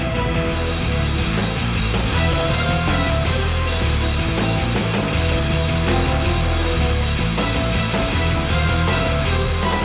tasik tasik tasik